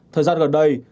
thời gian gần đây